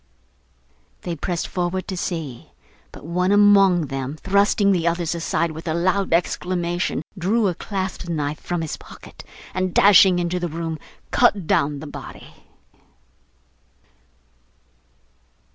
They pressed forward to see; but one among them thrusting the others aside with a loud exclamation, drew a clasp knife from his pocket, and dashing into the room, cut down the body.